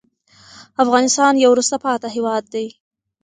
افغانستان يو وروسته پاتې هېواد دې